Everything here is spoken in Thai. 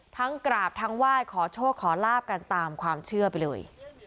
กราบทั้งไหว้ขอโชคขอลาบกันตามความเชื่อไปเลย